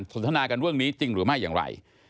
สนทนากันเรื่องนี้จริงหรือไม่อย่างไร